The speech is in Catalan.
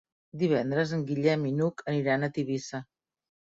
Divendres en Guillem i n'Hug aniran a Tivissa.